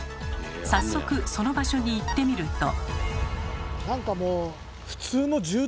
早速その場所に行ってみると。